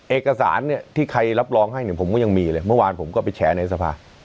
เอกสารเนี่ยที่ใครรับรองให้เนี่ยผมก็ยังมีเลยเมื่อวานผมก็ไปแฉในสภา